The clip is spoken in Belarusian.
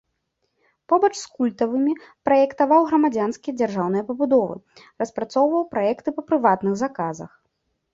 Побач з культавымі праектаваў грамадзянскія дзяржаўныя пабудовы, распрацоўваў праекты па прыватных заказах.